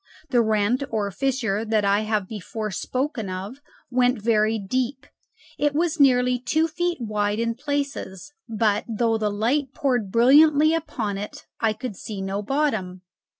The rent or fissure that I have before spoken of went very deep; it was nearly two feet wide in places, but, though the light poured brilliantly upon it, I could see no bottom.